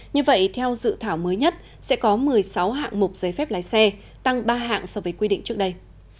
như vậy theo dự thảo mới nhất sẽ có một mươi sáu hạng mục giấy phép lái xe tăng ba hạng so với quy định trước đây